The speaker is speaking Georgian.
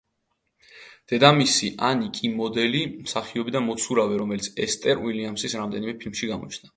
დედამისი ანი კი მოდელი, მსახიობი და მოცურავე, რომელიც ესთერ უილიამსის რამდენიმე ფილმში გამოჩნდა.